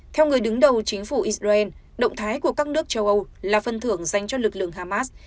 theo người đứng đầu chính phủ israel động thái của các nước châu âu là phân thưởng dành cho lực lượng hamas